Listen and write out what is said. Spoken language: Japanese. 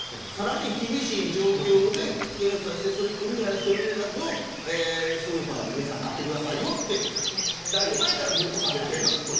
さらに厳しい状況で検査してクリアしているやつをスーパーで皆さん買ってくださいよとだいぶ前からされている。